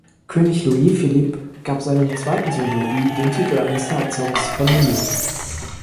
König Louis-Philippe gab seinem zweiten Sohn, Louis, den Titel eines Herzogs von Nemours.